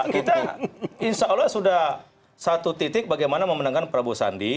kita insya allah sudah satu titik bagaimana memenangkan prabowo sandi